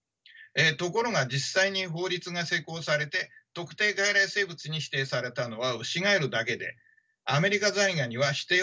ところが実際に法律が施行されて特定外来生物に指定されたのはウシガエルだけでアメリカザリガニは指定を免れました。